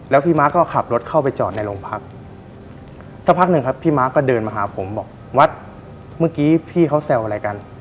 แล้วพี่ม้าก็ขับรถเข้าไปจอดในโรงพักสักพักหนึ่งครับพี่ม้าก็เดินมาหาผมบอกวัดเมื่อกี้พี่เขาแซวอะไรกัน